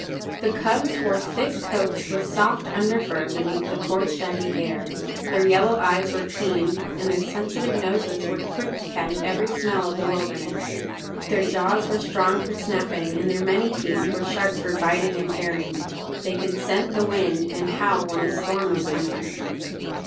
The cubs wore thick coats with soft under fur beneath the coarse shaggy hair. Their yellow eyes were keen, and their sensitive noses were quick to catch every smell of the wilderness. Their jaws were strong for snapping, and their many teeth were sharp for biting and tearing. They could scent the wind and howl when a storm was coming.